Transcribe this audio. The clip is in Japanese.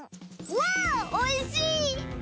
わおおいしい！